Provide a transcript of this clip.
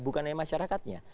bukan hanya masyarakatnya